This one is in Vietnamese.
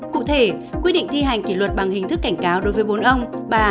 cụ thể quy định thi hành kỷ luật bằng hình thức cảnh cáo đối với bốn ông bà